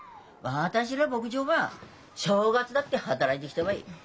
私ら牧場は正月だって働いてきたわい。